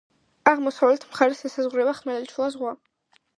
აღმოსავლეთ მხარეს ესაზღვრება ხმელთაშუა ზღვა.